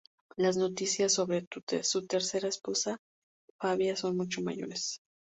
Las noticias sobre su tercera esposa, Fabia, son mucho mayores.